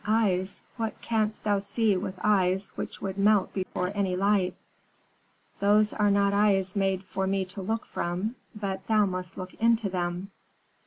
"'Eyes? What canst thou see with eyes which would melt before any light?' "'Those are not eyes made for me to look from, but thou must look into them.'